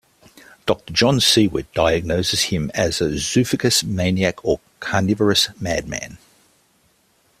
Doctor John Seward diagnoses him as a "zoophagous maniac", or carnivorous madman.